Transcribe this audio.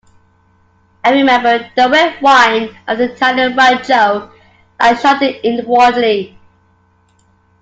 I remembered the red wine of the Italian rancho, and shuddered inwardly.